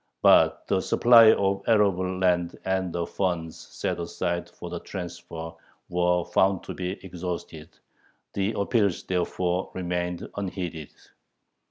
But the supply of arable land and the funds set aside for the transfer were found to be exhausted; the appeals therefore remained unheeded.